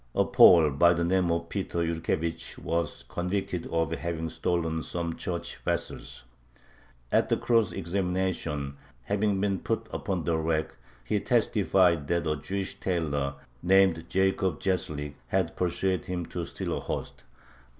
A Pole by the name of Peter Yurkevich was convicted of having stolen some church vessels. At the cross examination, having been put upon the rack, he testified that a Jewish tailor, named Jacob Gzheslik, had persuaded him to steal a host.